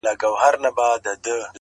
o په دې سپي کي کمالونه معلومېږي,